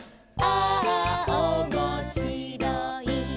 「ああおもしろい」